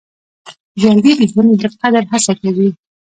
ژوندي د ژوند د قدر هڅه کوي